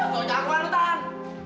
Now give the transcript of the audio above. oh sok nyakuan lo tan